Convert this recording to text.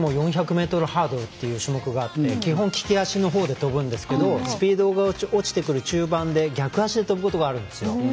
４００ｍハードルという種目があって基本、利き足のほうで跳ぶんですけどスピードが落ちてくる中盤で逆足で跳ぶことがあるんですよ。